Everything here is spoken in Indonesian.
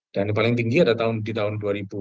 dan yang paling tinggi di tahun dua ribu sembilan belas